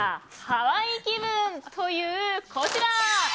ハワイ気分というこちら。